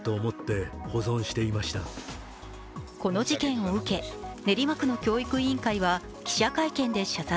この事件を受け、練馬区の教育委員会は記者会見で謝罪。